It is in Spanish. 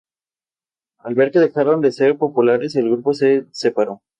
Aparece en la revista Vogue España.